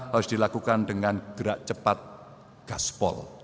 harus dilakukan dengan gerak cepat gaspol